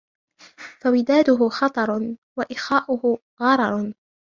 فَوِدَادُهُ خَطَرٌ وَإِخَاؤُهُ غَرَرٌ